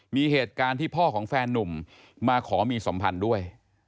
มีเหตุการณ์ที่พ่อของแฟนนุ่มมาขอมีสัมพันธ์ด้วย